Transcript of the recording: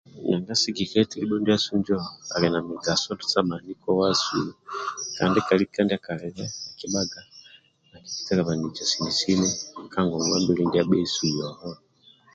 Nanga sigikilyeti libho ndiasu njo ali na mugaso sa mani kowasu kandi kalika ndiakalibe akiki talabanija sini sini kangongwabili ndiabhesu yoho